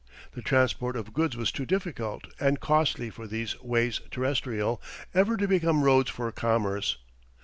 The transport of goods was too difficult and costly for these "ways terrestrial" ever to become roads for commerce.